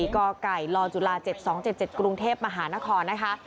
กไก่ลจุฬา๗๒๗๗กรุงเทพมหานครนะคะ